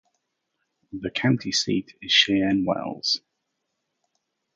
The county seat is Cheyenne Wells.